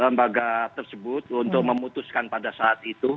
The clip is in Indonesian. lembaga tersebut untuk memutuskan pada saat itu